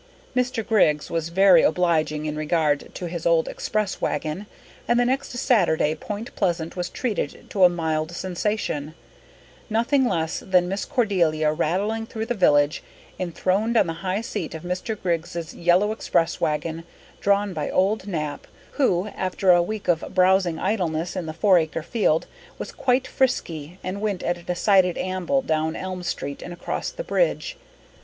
Mr. Griggs was very obliging in regard to his old express wagon, and the next Saturday Point Pleasant was treated to a mild sensation nothing less than Miss Cordelia rattling through the village, enthroned on the high seat of Mr. Griggs's yellow express wagon, drawn by old Nap who, after a week of browsing idleness in the four acre field, was quite frisky and went at a decided amble down Elm Street and across the bridge.